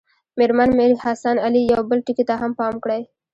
مېرمن میر حسن علي یو بل ټکي ته هم پام کړی.